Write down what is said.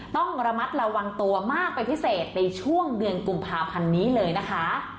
ต้องระมัดระวังตัวมากเป็นพิเศษในช่วงเดือนกุมภาพันธ์นี้เลยนะคะ